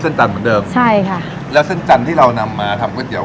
จันทร์เหมือนเดิมใช่ค่ะแล้วเส้นจันทร์ที่เรานำมาทำก๋วยเตี๋ย